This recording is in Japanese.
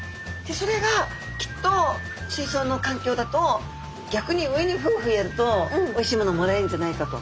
それがきっと水槽のかんきょうだと逆に上にフーフーやるとおいしいものもらえるんじゃないかと。